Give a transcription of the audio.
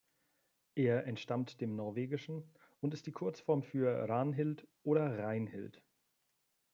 Er entstammt dem Norwegischen und ist die Kurzform für Ragnhild oder Reinhild.